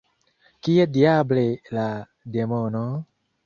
Kie diable la demono?